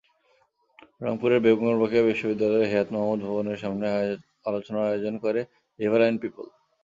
রংপুরের বেগম রোকেয়া বিশ্ববিদ্যালয়ের হেয়াৎ মামুদ ভবনের সামনে আলোচনার আয়োজন করে রিভারাইন পিপল।